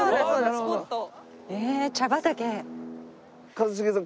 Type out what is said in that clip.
一茂さん